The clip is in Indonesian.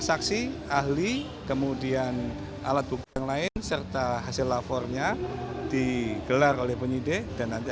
saksi ahli kemudian alat bukti yang lain serta hasil lapornya digelar oleh penyidik dan nanti